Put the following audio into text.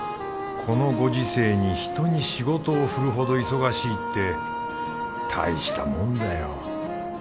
このご時世に人に仕事を振るほど忙しいって大したもんだよ。